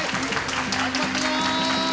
始まったぞ！